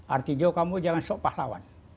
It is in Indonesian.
artijo kamu jangan sok pahlawan